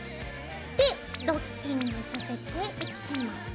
でドッキングさせてできます。